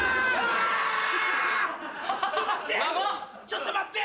ちょっと待って！